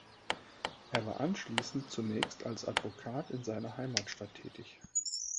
Er war anschließend zunächst als Advokat in seiner Heimatstadt tätig.